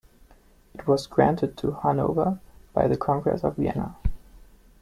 It was granted to Hanover by the Congress of Vienna.